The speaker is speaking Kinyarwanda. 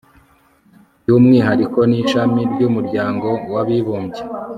by umwihariko n ishami ry umuryango w abibumbye